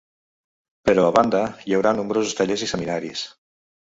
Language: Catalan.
Però, a banda, hi haurà nombrosos tallers i seminaris.